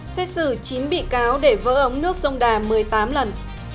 xét xử chín bị cáo để vỡ ống nước sông đà một mươi tám lần